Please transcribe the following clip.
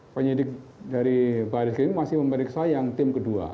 penyidik dari baris krim masih memeriksa yang tim kedua